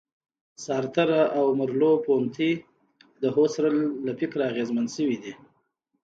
سارتر او مرلوپونتې د هوسرل له فکره اغېزمن شوي دي.